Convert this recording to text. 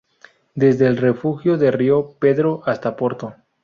Desde el Refugio de Río Pedro hasta Porto.